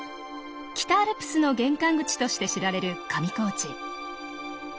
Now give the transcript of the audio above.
北アルプスの玄関口として知られる上高地。